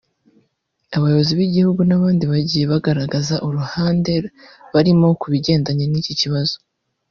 abayobozi b’ibihugu n’abandi bagiye bagaragaza uruhande barimo ku bigendanye n’iki kibazo